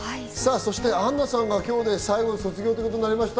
そしてアンナさんが今日で最後、卒業となりました。